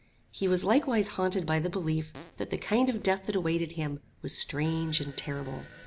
He was likewise haunted by the belief that the kind of death that awaited him was strange and terrible.